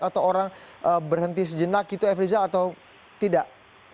atau orang berhenti sejenak itu efri zal atau tidak